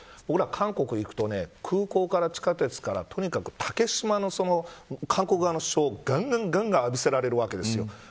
韓国に行くと空港から地下鉄から、とにかく竹島の韓国側の主張をがんがん浴びせられるわけです。